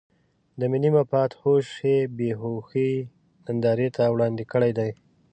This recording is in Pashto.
د ملي مفاد هوش یې بې هوشۍ نندارې ته وړاندې کړی دی.